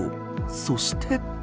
そして。